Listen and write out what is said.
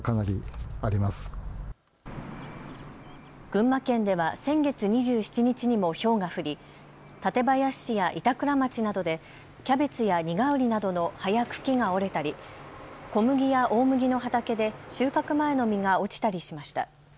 群馬県では先月２７日にもひょうが降り館林市や板倉町などでキャベツやにがうりなどの葉や茎が折れたり小麦や大麦の畑で収穫前の実が落ちたりしました。